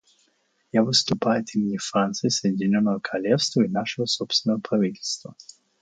Я выступаю от имени Франции, Соединенного Королевства и нашего собственного правительства.